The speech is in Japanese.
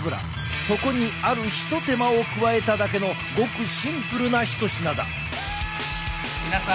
そこにあるひと手間を加えただけのごくシンプルな一品だ。